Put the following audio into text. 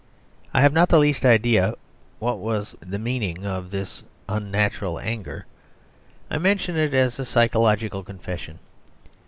I have not the least idea what was the meaning of this unnatural anger; I mention it as a psychological confession.